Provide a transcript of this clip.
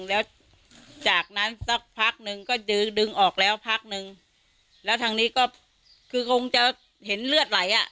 แล้วจากนั้นสักพักหนึ่งก็ดึงดึงออกแล้วพักนึงแล้วทางนี้ก็คือคงจะเห็นเลือดไหลอ่ะ